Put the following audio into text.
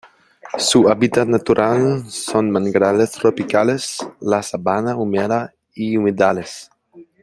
Su hábitat natural son manglares tropicales, la sabana húmeda y humedales.